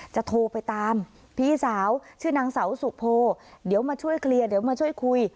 โทรไปตามพี่สาวชื่อนางสาวสุโพเดี๋ยวมาช่วยเคลียร์เดี๋ยวมาช่วยคุย